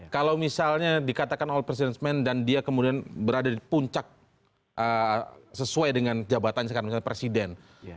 kalau misalnya dikatakan all president men dan dia kemudian berada di puncak sesuai dengan jabatan misalnya presiden